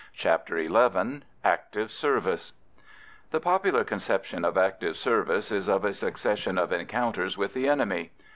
CHAPTER XI ACTIVE SERVICE The popular conception of active service is of a succession of encounters with the enemy.